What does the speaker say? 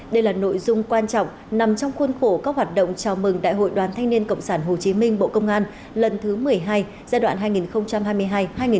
đây là nội dung quan trọng nằm trong khuôn khổ các hoạt động chào mừng đại hội đoàn thanh niên cộng sản hồ chí minh bộ công an lần thứ một mươi hai giai đoạn hai nghìn hai mươi hai hai nghìn hai mươi năm